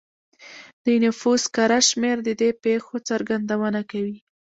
د نفوس کره شمېر د دې پېښو څرګندونه کوي